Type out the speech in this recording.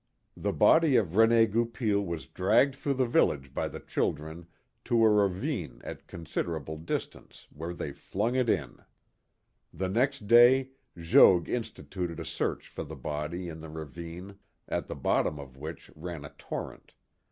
The body of Rene Goupil was dragged through the village by the children to a ravine at a considerable dis tance, where they flung it in. The next day Jogues instituted a search for the body in the ravine, at the bottom of which ran a torrent.